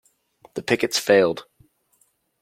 The pickets failed.